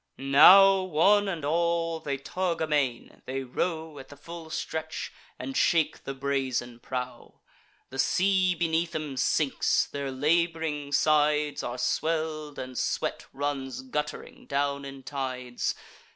Now, one and all, they tug amain; they row At the full stretch, and shake the brazen prow. The sea beneath 'em sinks; their lab'ring sides Are swell'd, and sweat runs gutt'ring down in tides.